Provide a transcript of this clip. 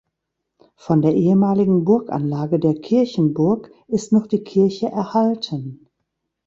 Von der ehemaligen Burganlage der Kirchenburg ist noch die Kirche erhalten.